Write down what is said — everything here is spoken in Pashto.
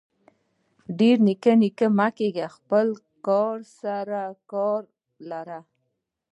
ډير نيکه نيکه مه کيږه خپل کار سره کار لره.